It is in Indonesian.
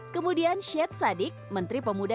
kemudian syed sadik menteri pemuda